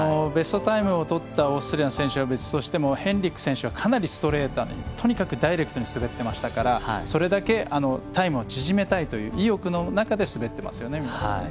ベストタイムを取ったオーストリアの選手は別にしてもヘンリク選手はかなりストレートにかなりダイレクトに滑っていましたからそれだけタイムを縮めたいという意欲の中で滑っていますね。